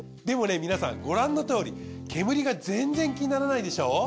でもね皆さんご覧のとおり煙が全然気にならないでしょ？